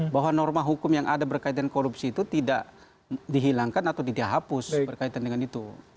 bahwa norma hukum yang ada berkaitan korupsi itu tidak dihilangkan atau dihapus berkaitan dengan itu